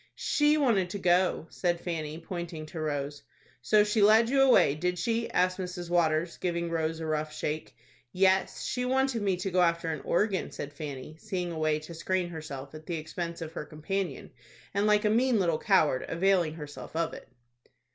"She wanted to go," said Fanny, pointing to Rose. "So she led you away, did she?" asked Mrs. Waters, giving Rose a rough shake. "Yes, she wanted me to go after an organ," said Fanny, seeing a way to screen herself at the expense of her companion, and like a mean little coward availing herself of it.